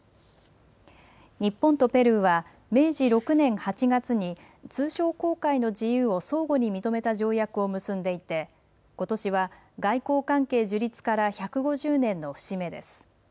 日本とペルーは、明治６年８月に、通商航海の自由を相互に認めた条約を結んでいて、ことしは外交関係樹立から１５０年の節目です。